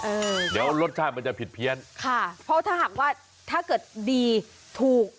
เออเดี๋ยวรสชาติมันจะผิดเพี้ยนค่ะเพราะถ้าหากว่าถ้าเกิดดีถูก